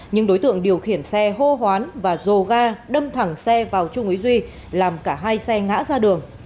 nhưng đối tượng điều khiển xe hô hoán và dồ ga đâm thẳng xe vào trung úy duy làm cả hai xe ngã ra đường